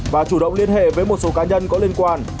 và chủ động liên hệ với một số cá nhân có liên quan